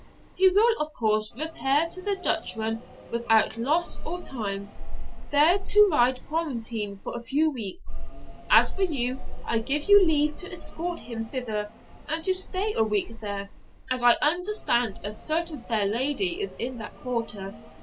He will of course repair to the Duchran without loss of time, there to ride quarantine for a few weeks. As for you, I give you leave to escort him thither, and to stay a week there, as I understand a certain fair lady is in that quarter.